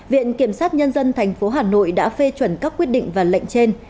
viện kiểm sát nhân dân tp hà nội đã phê chuẩn các quyết định và lệnh trên